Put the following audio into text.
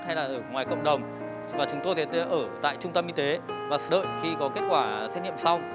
hay là ở ngoài cộng đồng và chúng tôi sẽ ở tại trung tâm y tế và đợi khi có kết quả xét nghiệm sau